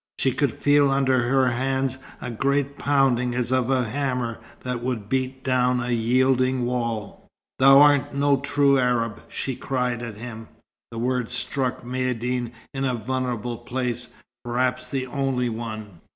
She could feel under her hands a great pounding as of a hammer that would beat down a yielding wall. "Thou art no true Arab!" she cried at him. The words struck Maïeddine in a vulnerable place; perhaps the only one.